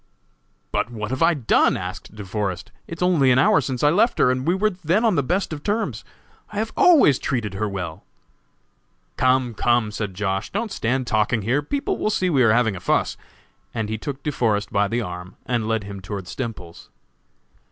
"But what have I done?" asked De Forest. "It is only an hour since I left her, and we were then on the best of terms. I have always treated her well!" "Come, come!" said Josh., "don't stand talking here. People will see we are having a fuss." And he took De Forest by the arm and led him toward Stemples's.